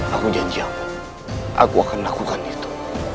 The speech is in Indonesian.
aku janji ibu aku akan lakukan itu